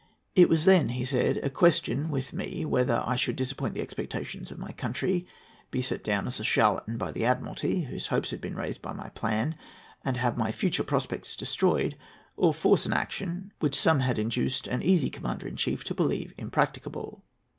"It was then," he said, "a question with me whether I should disappoint the expectations of my country, be set down as a charlatan by the Admiralty, whose hopes had been raised by my plan, and have my future prospects destroyed, or force on an action which some had induced an easy Commander in Chief to believe impracticable."